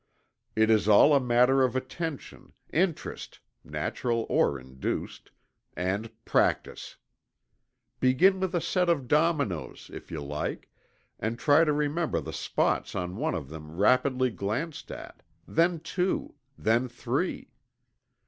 It is all a matter of attention, interest (natural or induced) and practice. Begin with a set of dominoes, if you like, and try to remember the spots on one of them rapidly glanced at then two then three.